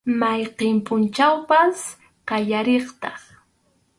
Mayqin pʼunchawpas qallariqtaq.